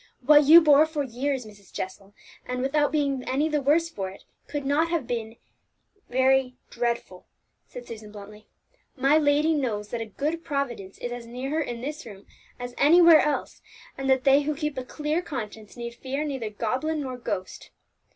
"What you bore for years, Mrs. Jessel, and without being any the worse for it, could have been nothing very dreadful," said Susan bluntly. "My lady knows that a good Providence is as near her in this room as anywhere else, and that they who keep a clear conscience need fear neither goblin nor ghost!"